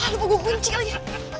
hah lupa gue kunci kali ya